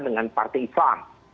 dengan partai islam